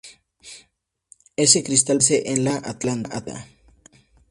Ese cristal permanece en la Atlántida.